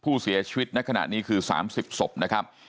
ผู้เสียชีวิตในขณะนี้คือ๓๐ศพนะครับ